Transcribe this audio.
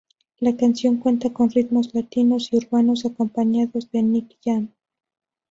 La canción cuenta con ritmos latinos y urbanos, acompañado de Nicky Jam.